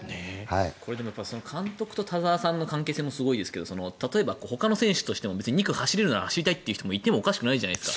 これ、監督と田澤さんの関係性もすごいですけど例えば、ほかの選手としても２区を走れるなら走りたいという人がいてもおかしくないじゃないですか。